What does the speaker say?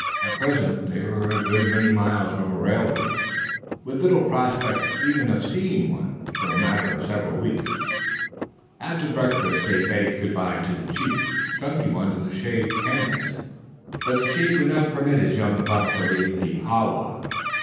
At present they were a good many miles from a railway, with little prospect even of seeing one for a matter of several weeks. After breakfast they bade good bye to the chief. Chunky wanted to shake hands with Afraid Of His Face, but the chief would not permit his young buck to leave the ha wa.